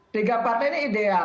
tiga partai ini ideal